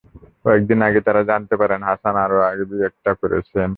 কয়েক দিন আগে তাঁরা জানতে পারেন, হাসান আগেও একটি বিয়ে করেছেন।